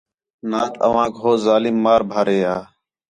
نات اوانک ہو ظالم مار بھارے ہا